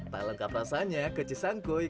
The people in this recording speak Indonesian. tak lengkap rasanya kecih sangkoy